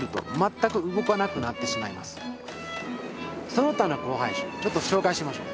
その他の交配種ちょっと紹介しましょう。